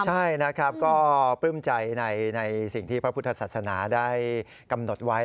ใช่นะครับก็ปลื้มใจในสิ่งที่พระพุทธศาสนาได้กำหนดไว้